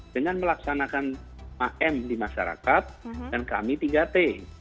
dengan melaksanakan am di masyarakat dan kami tiga t